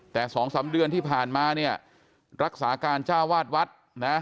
แต่๒๓เดือนที่ผ่านมาเนี่ยรักษาการจ้าวาดวัดนะ